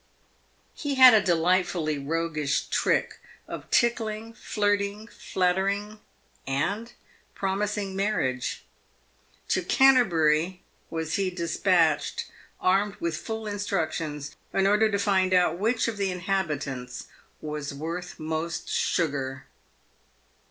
He had a delightfully roguish trick of tickling, flirting, flattering, and promising marriage. To Canterbury was he de spatched, armed with full instructions, in order to find out which of the inhabitants " was worth most sugar."